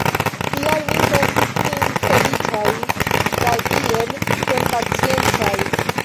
Tial ni sentis nin feliĉaj kaj iel senpaciencaj.